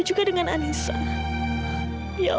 aku pasti akan menebusnya